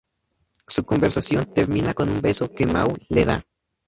Su conversación termina con un beso que Maul le da.